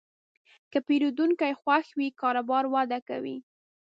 که پیرودونکی خوښ وي، کاروبار وده کوي.